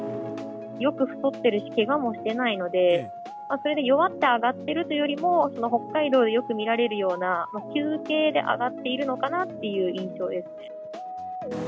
よく太ってるし、けがもしてないので、それで弱って上がってるというよりも、その北海道でよく見られるような、休憩で上がっているのかなっていう印象です。